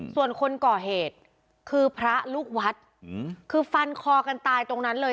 ส่วนคนก่อเหตุคือพระลูกวัดคือฟันคอกันตายตรงนั้นเลย